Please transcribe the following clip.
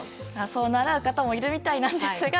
そう習う方もいるみたいなんですが。